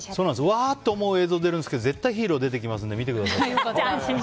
わーって思う映像が出るんですけど絶対ヒーローが出てくるので見てください。